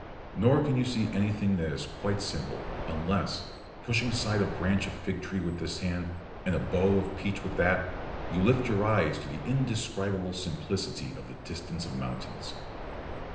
Nor can you see anything that is quite simple, unless, pushing aside a branch of fig tree with this hand, and a bough of peach with that, you lift your eyes to the indescribable simplicity of the distance of mountains.